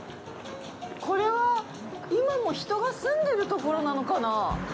これは今も人が住んでるところなのかなぁ？